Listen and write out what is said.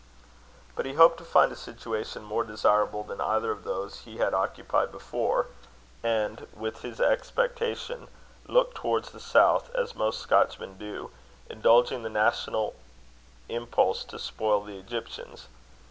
But he hoped to find a situation more desirable than either of those he had occupied before; and, with this expectation, looked towards the South, as most Scotchmen do, indulging the national impulse to spoil the Egyptians.